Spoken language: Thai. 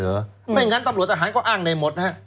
ไม่อย่างนั้นตำรวจตาหารก็อ้างในหมดนะครับ